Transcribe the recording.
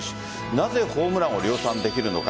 なぜホームランを量産できるのか。